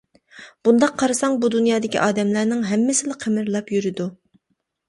بۇنداق قارىساڭ، بۇ دۇنيادىكى ئادەملەرنىڭ ھەممىسىلا قىمىرلاپ يۈرىدۇ.